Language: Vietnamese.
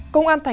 công an tp hcm